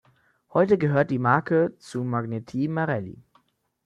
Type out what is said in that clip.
Heute gehört die Marke zu Magneti Marelli.